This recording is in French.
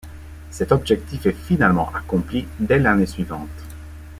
Cet objectif est finalement accompli dès l'année suivante.